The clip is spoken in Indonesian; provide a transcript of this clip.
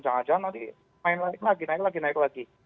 jangan jangan nanti naik lagi